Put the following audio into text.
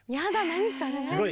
何それ。